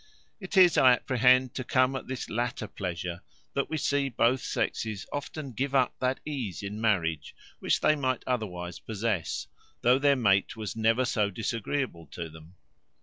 It is, I apprehend, to come at this latter pleasure, that we see both sexes often give up that ease in marriage which they might otherwise possess, though their mate was never so disagreeable to them.